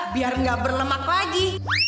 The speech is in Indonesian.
biar gak berlemak lagi